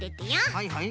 はいはい。